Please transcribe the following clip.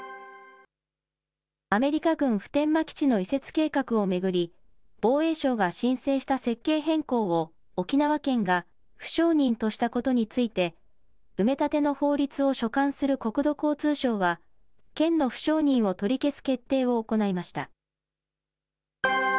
アメリカ軍普天間基地の移設計画を巡り、防衛省が申請した設計変更を沖縄県が不承認としたことについて、埋め立ての法律を所管する国土交通省は、県の不承認を取り消す決定を行いました。